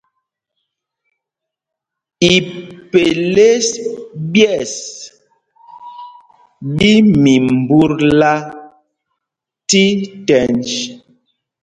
Ipelês ɓyes ɓí mimbutla tí tɛnj.